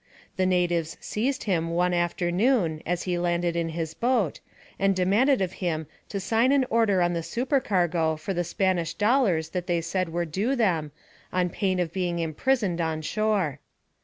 The natives seized him, one afternoon, as he landed in his boat, and demanded of him to sign an order on the supercargo for the Spanish dollars that they said were due them, on pain of being imprisoned on shore.